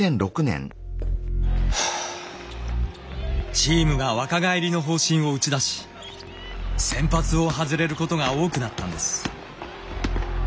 チームが若返りの方針を打ち出し先発を外れることが多くなったんです。